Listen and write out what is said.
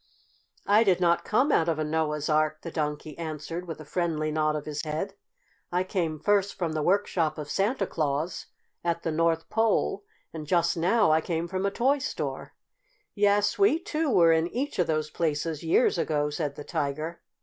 "I did not come out of a Noah's Ark," the Donkey answered, with a friendly nod of his head. "I came first from the workshop of Santa Claus, at the North Pole, and just now I came from a toy store." "Yes, we, too, were in each of those places, years ago," said the Tiger.